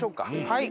はい。